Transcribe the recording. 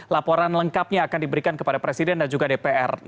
laporan lengkapnya akan diberikan kepada presiden dan juga dpr